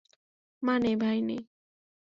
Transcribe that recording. মা নেই, ভাই নেই।